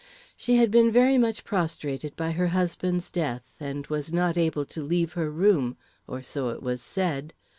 She had been very much prostrated by her husband's death, and was not able to leave her room, or so it was said.